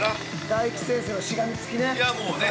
大吉先生のしがみつきね。